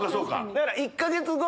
だから１か月後。